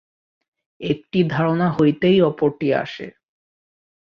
একটি ধারণা হইতেই অপরটি আসে।